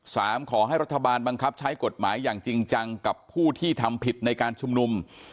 ขอให้รัฐบาลบังคับใช้กฎหมายอย่างจริงจังกับผู้ที่ทำผิดในการชุมนุม